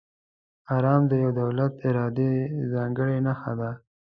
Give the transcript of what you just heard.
آرم د یو دولت، ادارې ځانګړې نښه ده.